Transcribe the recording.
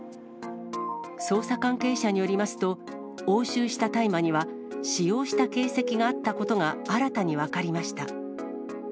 捜査関係者によりますと、押収した大麻には使用した形跡があったことが新たに分かりました。